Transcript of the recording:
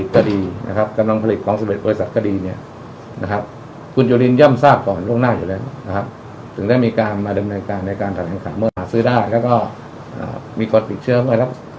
กระดับกตัวทุดิกก็ดีนะครับกำนวงผลิตนะครับ